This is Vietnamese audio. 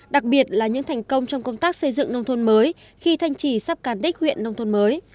đặc biệt là những thành công trong công tác xây dựng nông thôn mới khi thanh trì sắp cán đích huyện nông thôn mới